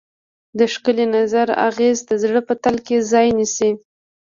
د ښکلي نظر اغېز د زړه په تل کې ځای نیسي.